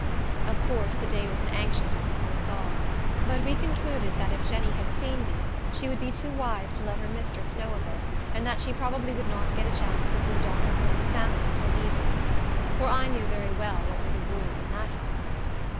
Of course, the day was an anxious one for us all. But we concluded that if Jenny had seen me, she would be too wise to let her mistress know of it; and that she probably would not get a chance to see Dr. Flint's family till evening, for I knew very well what were the rules in that household.